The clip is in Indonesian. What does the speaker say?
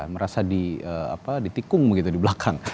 merasa di tikung gitu di belakang